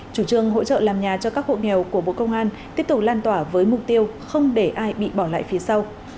chủ trương hỗ trợ làm nhà cho các hộ nghèo của bộ công an tiếp tục lan tỏa với mục tiêu không để ai bị bỏ lại phía sau